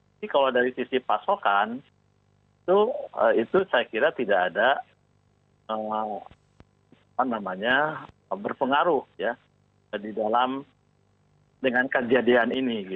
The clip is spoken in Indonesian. tapi kalau dari sisi pasokan itu saya kira tidak ada berpengaruh di dalam dengan kejadian ini